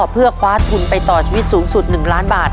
เพื่อคว้าทุนไปต่อชีวิตสูงสุด๑ล้านบาท